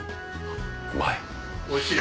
うまい！